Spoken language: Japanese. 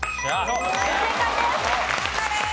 正解です！